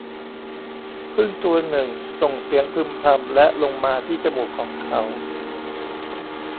ผึ้งตัวหนึ่งส่งเสียงพึมพำและลงมาที่จมูกของเขา